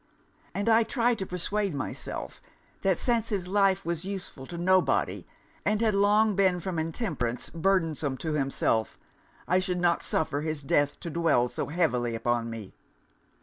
And I try to persuade myself, that since his life was useful to nobody, and had long been, from intemperance, burthensome to himself, I should not suffer his death to dwell so heavily upon me.